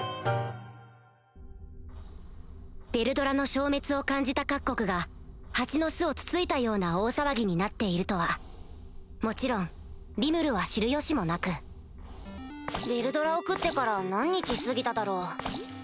ヴェルドラの消滅を感じた各国が蜂の巣をつついたような大騒ぎになっているとはもちろんリムルは知る由もなくヴェルドラを食ってから何日過ぎただろう